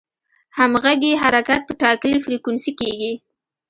همغږي حرکت په ټاکلې فریکونسي کېږي.